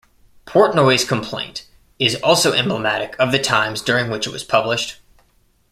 "Portnoy's Complaint" is also emblematic of the times during which it was published.